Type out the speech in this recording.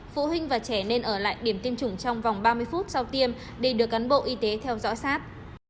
phụ huynh và trẻ nên ở lại điểm tiêm chủng trong vòng ba mươi phút sau tiêm để được cán bộ y tế theo dõi sát